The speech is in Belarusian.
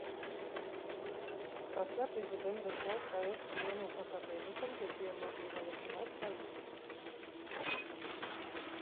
Пасля прэзідэнт даслаў праект зменаў акадэмікам, якія маглі галасаваць па ім.